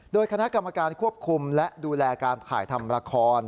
โดยคณะกรรมการควบคุมและดูแลการถ่ายทำละคร